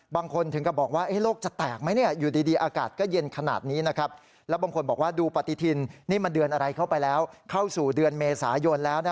บางคนถึงก็บอกว่าโลกจะแตกไหมเนี่ย